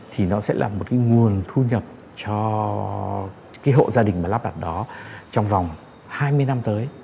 thì nó sẽ là một cái nguồn thu nhập cho cái hộ gia đình mà lắp đặt đó trong vòng hai mươi năm tới